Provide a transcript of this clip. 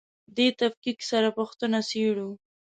دې تفکیک سره پوښتنه څېړو.